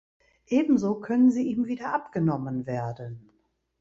Ebenso können sie ihm wieder abgenommen werden.